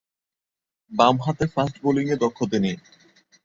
বামহাতে ফাস্ট বোলিংয়ে দক্ষ তিনি।